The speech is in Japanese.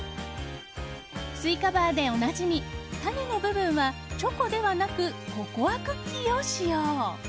スイカバーでおなじみ種の部分はチョコではなくココアクッキーを使用。